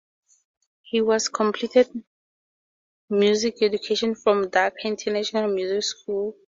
He was completed music education from Dhaka International Music School.